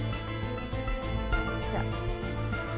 じゃあ。